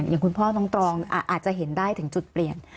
อย่างคุณพ่อน้องตรองอาจจะเห็นได้ถึงจุดเปลี่ยน